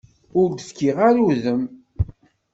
Ur d-fkiɣ ara udem.